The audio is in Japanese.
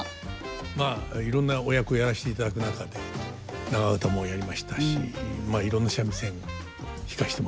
まあいろんなお役をやらせていただく中で長唄もやりましたしまあいろんな三味線弾かせてもらいました。